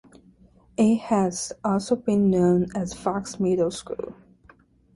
It has also been known as Fox Middle School.